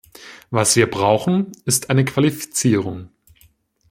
Was wir brauchen, ist eine Qualifizierung.